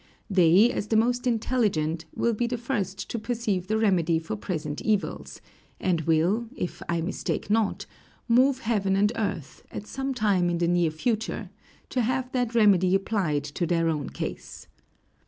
They, as the most intelligent, will be the first to perceive the remedy for present evils, and will, if I mistake not, move heaven and earth, at some time in the near future, to have that remedy applied to their own case.